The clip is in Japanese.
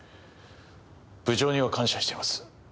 部長には感謝しています。